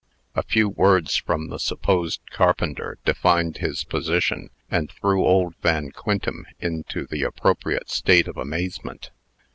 A few words from the supposed carpenter defined his position, and threw old Van Quintem into the appropriate state of amazement.